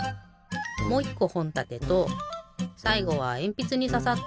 もう１こほんたてとさいごはえんぴつにささった